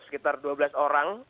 sekitar dua belas orang